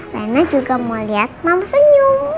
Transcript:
lena juga mau lihat mama senyum